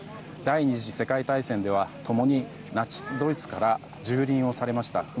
第２次世界大戦では共にナチスドイツから蹂躙をされました。